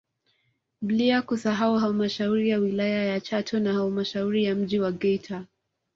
Blia kusahau halmashauri ya wilaya ya Chato na halmasahauri ya mji wa Geita